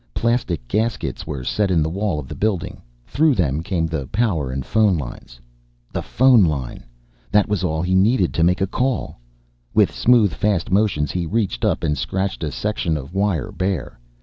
Plastic gaskets were set in the wall of the building, through them came the power and phone lines. The phone line! That was all he needed to make a call. With smooth, fast motions he reached up and scratched a section of wire bare.